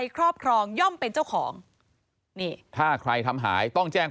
ค่อยไปแจ้ง